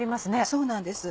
そうなんです。